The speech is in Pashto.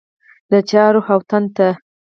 د چا روح او تن ته